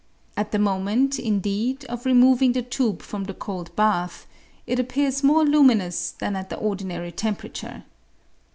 At the moment, indeed, of removing the tube from the cold bath, it appears more luminous than at the ordinary temperature.